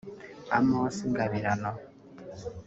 Amos Ngabirano